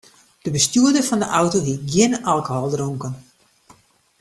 De bestjoerder fan de auto hie gjin alkohol dronken.